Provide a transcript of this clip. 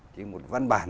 chứ một văn bản